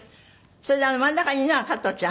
それで真ん中にいるのが加トちゃん？